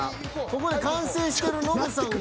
［ここで完成してるノブさんが］